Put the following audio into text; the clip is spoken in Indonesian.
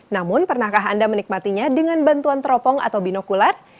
namun pernahkah anda menikmatinya dengan bantuan teropong atau binokular